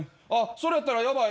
それやったらヤバい。